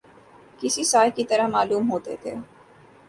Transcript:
کسی سائے کی طرح معلوم ہوتے تھے